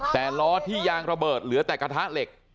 แต่ล้อที่ยางระเบิดเหลือแต่กระทะเหล็ก